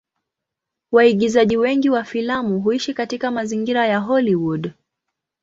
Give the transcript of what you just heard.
Waigizaji wengi wa filamu huishi katika mazingira ya Hollywood.